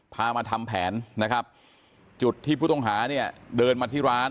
พามาทำแผนนะครับจุดที่ผู้ต้องหาเนี่ยเดินมาที่ร้าน